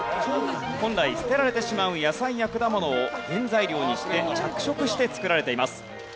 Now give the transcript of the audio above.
本来捨てられてしまう野菜や果物を原材料にして着色して作られています。